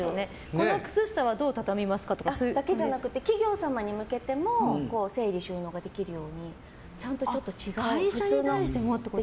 この靴下はどう畳みますかとか？だけじゃなくて企業様に向けても整理収納ができるようにちゃんとちょっと違うんです。